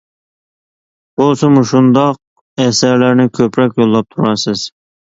بولسا مۇشۇنداق ئەسەرلەرنى كۆپرەك يوللاپ تۇراسىز.